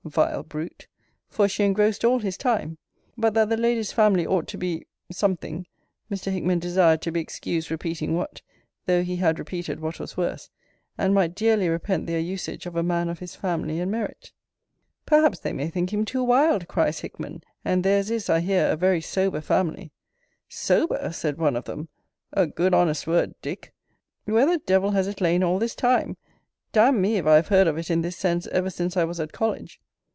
[vile brute!] for she engrossed all his time but that the lady's family ought to be something [Mr. Hickman desired to be excused repeating what though he had repeated what was worse] and might dearly repent their usage of a man of his family and merit. Perhaps they may think him too wild, cries Hickman: and theirs is, I hear, a very sober family SOBER! said one of them: A good honest word, Dick! Where the devil has it lain all this time? D me if I have heard of it in this sense ever since I was at college!